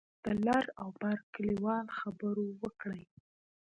د لر او بر کلیوال خبرو وکړې.